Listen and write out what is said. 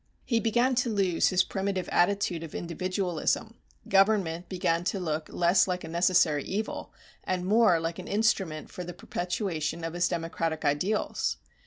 He began to lose his primitive attitude of individualism, government began to look less like a necessary evil and more like an instrument for the perpetuation of his democratic ideals.